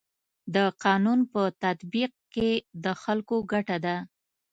د قانون په تطبیق کي د خلکو ګټه ده.